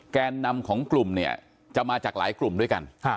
แกนนำของกลุ่มเนี่ยจะมาจากหลายกลุ่มด้วยกัน